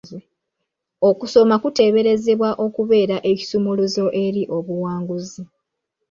Okusoma kuteeberezebwa okubeera ekisumuluzo eri obuwanguzi.